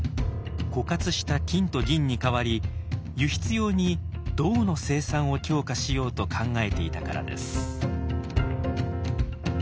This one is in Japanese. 枯渇した金と銀に代わり輸出用に銅の生産を強化しようと考えていたからです。